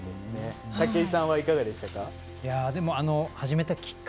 武井さんはいかがでしたか？